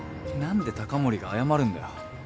何で高森が謝るんだよ。